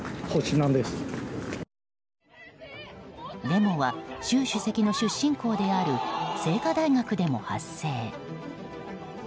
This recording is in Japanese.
デモは習主席の出身校である清華大学でも発生。